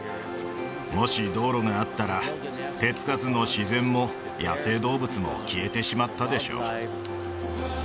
もし道路があったら手つかずの自然も野生動物も消えてしまったでしょう